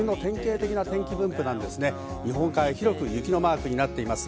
日本海側、雪のマークになっています。